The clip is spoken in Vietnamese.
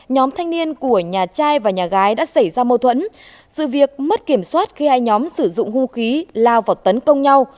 nhóm thanh niên của nhà trai và nhà gái đã xảy ra mâu thuẫn